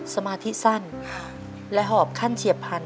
สมาธิสั้นและหอบขั้นเฉียบพันธ